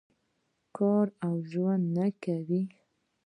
کار او ژوند نه کوي.